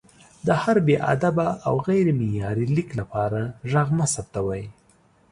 د هر بې ادبه او غیر معیاري لیک لپاره غږ مه ثبتوئ!